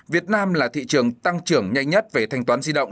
việt nam là thị trường tăng trưởng nhanh nhất về thanh toán di động